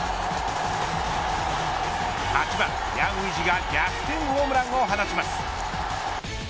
８番ヤン・ウィジが逆転ホームランを放ちます。